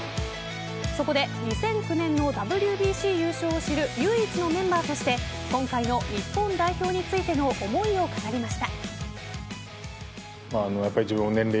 そこで２００９年のＷＢＣ優勝を知る唯一のメンバーとして今回の日本代表についての思いを語りました。